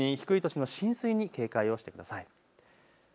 特に低い土地の浸水に警戒をしてください。